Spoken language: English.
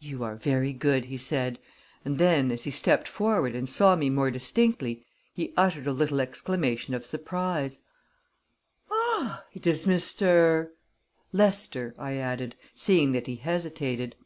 "You are very good," he said, and then, as he stepped forward and saw me more distinctly, he uttered a little exclamation of surprise. "Ah, it is Mistair " "Lester," I added, seeing that he hesitated.